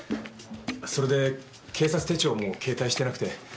それで警察手帳も携帯してなくて。